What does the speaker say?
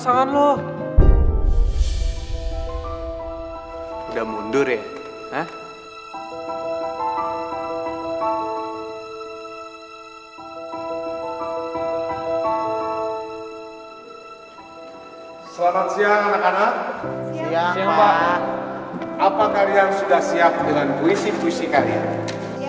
apa kalian sudah siap dengan puisi puisi kalian